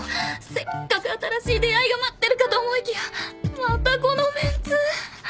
せっかく新しい出会いが待ってるかと思いきやまたこのメンツ。